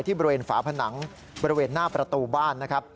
บริเวณฝาผนังบริเวณหน้าประตูบ้านนะครับ